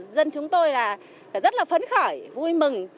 dân chúng tôi là rất là phấn khởi vui mừng